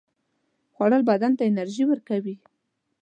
خوړل بدن ته انرژي ورکوي